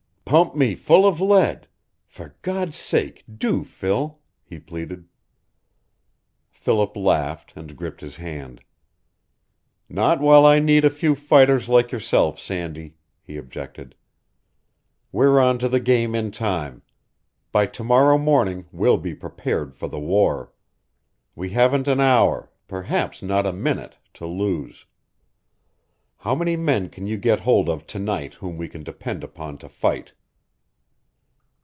"Pump me full of lead for God's sake, do, Phil," he pleaded. Philip laughed, and gripped his hand. "Not while I need a few fighters like yourself, Sandy," he objected. "We're on to the game in time. By to morrow morning we'll be prepared for the war. We haven't an hour perhaps not a minute to lose. How many men can you get hold of to night whom we can depend upon to fight?"